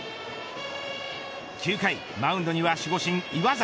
９回、マウンドには守護神、岩崎。